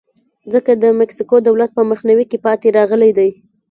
ځکه د مکسیکو دولت په مخنیوي کې پاتې راغلی دی.